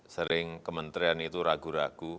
sering kementerian itu ragu ragu